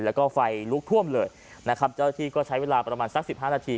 แล้วก็ไฟลุกท่วมเลยนะครับเจ้าที่ก็ใช้เวลาประมาณสักสิบห้านาที